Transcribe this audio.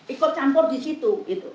ikut campur di situ